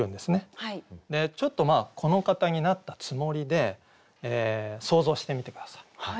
ちょっとまあこの方になったつもりで想像してみて下さい。